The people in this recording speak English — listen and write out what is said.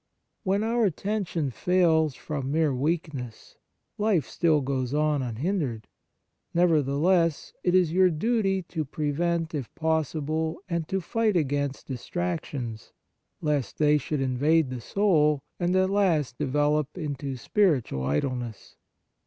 When our attention fails from mere weak ness, life still goes on unhindered. Nevertheless, it is your duty to pre vent, if possible, and to fight against distractions, lest they should invade the soul, and at last develop into spiritual idleness.